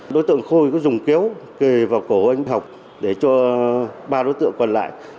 đối tượng khôi có dùng kéo kề vào cổ anh học để cho ba đối tượng còn lại